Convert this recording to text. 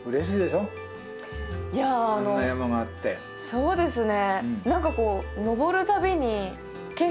そうですね。